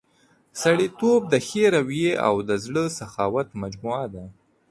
سړیتوب د ښې رويې او د زړه سخاوت مجموعه ده.